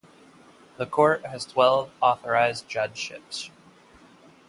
The court has twelve authorized judgeships.